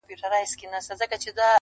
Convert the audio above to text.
• چي انسان خداى له ازله پيدا كړى -